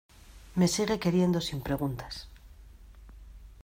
me sigue queriendo sin preguntas